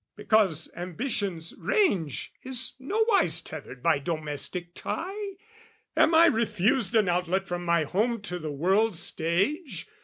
Because ambition's range Is nowise tethered by domestic tie: Am I refused an outlet from my home To the world's stage?